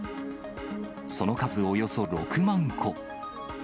その数およそ６万個。